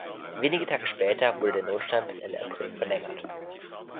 Wenige Tage später wurde der Notstand bis Ende April verlängert.